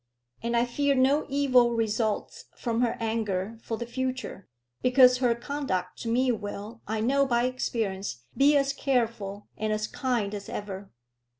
And I fear no evil results from her anger for the future, because her conduct to me will, I know by experience, be as careful and as kind as ever.